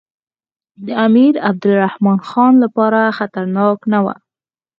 د امیر عبدالرحمن خان لپاره خطرناک نه وو.